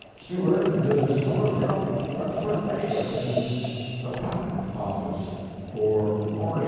Stewart is to look up a clerkship in the Patent Office for Orion.